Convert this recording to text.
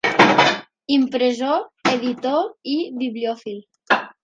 Impressor, editor i bibliòfil.